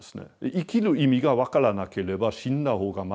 生きる意味が分からなければ死んだほうがましだろうと。